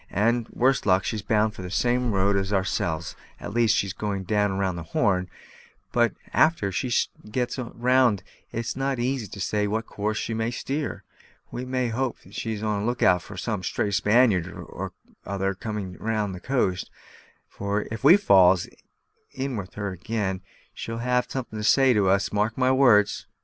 And, worst luck, she's bound the same road as ourselves at least, she's going round the Horn; but a'ter she gets round it's not so easy to say what course she may steer. We must hope she's on the look out for some stray Spaniard or other coming down the coast; for if we falls in with her ag'in, she'll have some'at to say to us, mark my words."